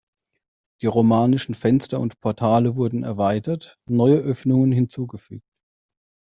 Die romanischen Fenster und Portale wurden erweitert, neue Öffnungen hinzugefügt.